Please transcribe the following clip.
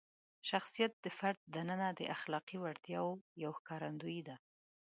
شخصیت د فرد دننه د اخلاقي وړتیاوو یوه ښکارندویي ده.